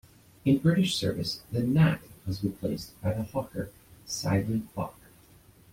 In British service, the Gnat was replaced by the Hawker Siddeley Hawk.